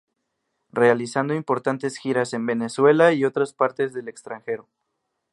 Realizando importantes giras en Venezuela y otras partes del extranjero.